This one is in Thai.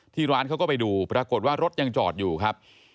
ร้านเขาก็ไปดูปรากฏว่ารถยังจอดอยู่ครับ